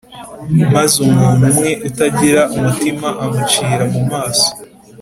maze umuntu umwe utagira umutima amucira mu maso